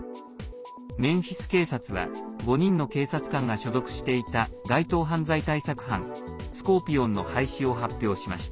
メンフィス警察は５人の警察官が所属していた街頭犯罪対策班スコーピオンの廃止を発表しました。